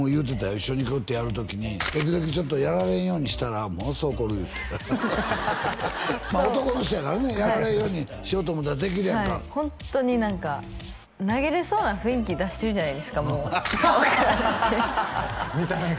一緒にグッてやる時に時々やられんようにしたらものすごい怒るいうて男の人やからねやられんようにしようと思うたらできるやんかホンットに何か投げれそうな雰囲気出してるじゃないですかもう見た目が？